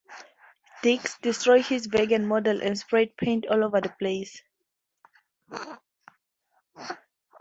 Dix destroys his Vegan model and spreads paint all over the place.